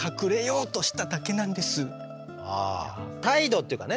態度っていうかね